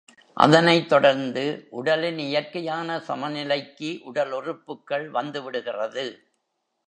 அதனைத் தொடர்ந்து, உடலின் இயற்கையான சமநிலைக்கு உடல் உறுப்புக்கள் வந்து விடுகிறது.